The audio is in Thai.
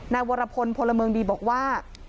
วรพลพลเมืองดีบอกว่า